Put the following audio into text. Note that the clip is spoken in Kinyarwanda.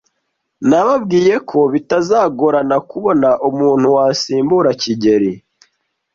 Nababwiye ko bitazagorana kubona umuntu wasimbura kigeli.